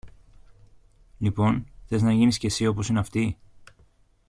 Λοιπόν, θέλεις να γίνεις και συ όπως είναι αυτοί;